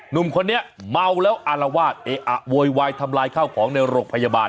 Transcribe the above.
หนุ่มคนนี้เมาแล้วอารวาสเอะอะโวยวายทำลายข้าวของในโรงพยาบาล